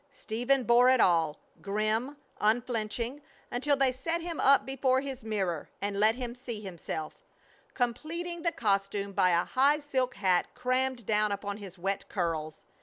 Stephen bore it all, grim, unflinching, until they set him up before his mirror and let him see himself, completing the costume by a high silk hat crammed down upon his wet curls.